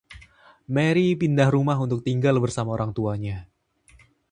Mary pindah rumah untuk tinggal bersama orang tuanya.